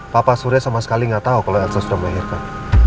papa surya sama sekali nggak tahu kalau elsa sudah melahirkan